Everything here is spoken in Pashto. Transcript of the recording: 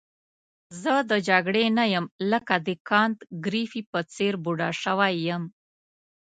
زه د جګړې نه یم لکه د کانت ګریفي په څېر بوډا شوی یم.